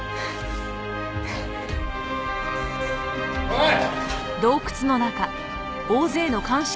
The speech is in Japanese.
おい！